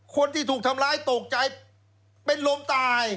คนที่ถูกทำร้ายตกใจเป็นลมตาย